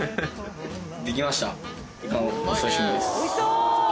できました。